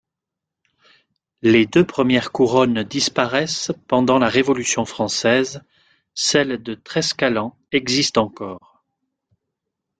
Les deux premières couronnes disparaissent pendant la Révolution française, celle de Trescalan existe encore.